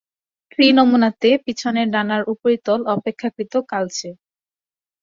স্ত্রী নমুনাতে পিছনের ডানার উপরিতল অপেক্ষাকৃত কালচে।